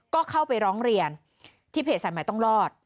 ก็เข้าไปร้องเรียนที่เพจสายใหม่ต้องรอด